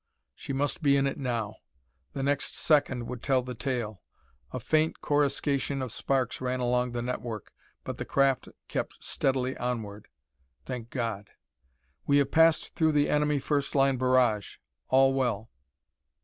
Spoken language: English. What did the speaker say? She must be in it now. The next second would tell the tale. A faint coruscation of sparks ran along the network, but the craft kept steadily onward. Thank God! "We have passed through the enemy first line barrage. All well."